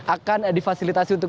akan difasilitasi untuk